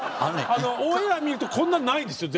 ⁉オンエア見るとこんなないですよ